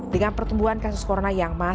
dengan pertumbuhan kasus corona yang masih